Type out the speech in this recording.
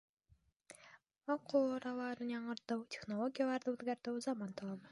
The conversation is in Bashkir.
— Мал ҡураларын яңыртыу, технологияларҙы үҙгәртеү — заман талабы.